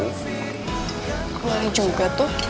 aku boleh juga tuh